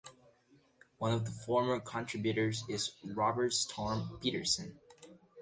One of the former contributors is Robert Storm Petersen.